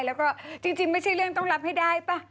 แล้วก็จริงไม่ใช่เรื่องต้องรับให้ได้ป่ะ